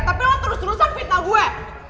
tapi memang terus terusan fitnah gue